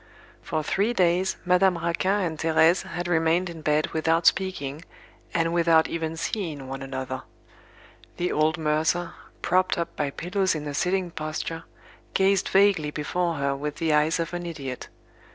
For three days, Madame Raquin and Thérèse had remained in bed without speaking, and without even seeing one another. The old mercer, propped up by pillows in a sitting posture, gazed vaguely before her with the eyes of an idiot.